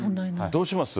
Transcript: どうします？